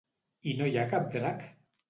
I no hi ha cap drac?